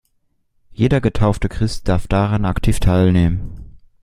Jeder getaufte Christ darf daran aktiv teilnehmen.